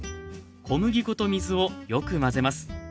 小麦粉と水をよく混ぜます。